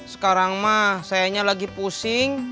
sekarang mah sayanya lagi pusing